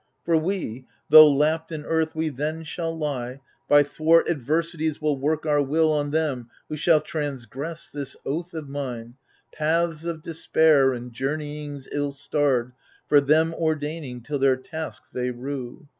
For we» though lapped in earth we then shall lie, By thwart adversities will work our will On them who shall transgress this oath of mine, Paths of despair and joumeyings ill starred For them ordaining, till their task they rue.